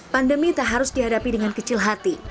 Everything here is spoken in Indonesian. pandemi tak harus dihadapi dengan kecil hati